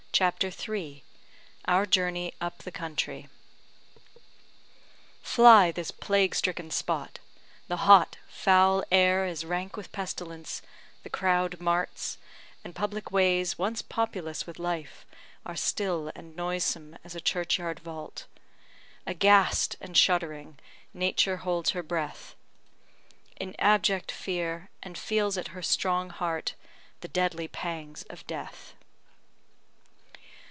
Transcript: CHAPTER III OUR JOURNEY UP THE COUNTRY Fly this plague stricken spot! The hot, foul air Is rank with pestilence the crowded marts And public ways, once populous with life, Are still and noisome as a churchyard vault; Aghast and shuddering, Nature holds her breath In abject fear, and feels at her strong heart The deadly pangs of death.